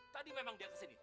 tadi memang dia kesini